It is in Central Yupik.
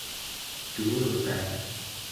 tungulria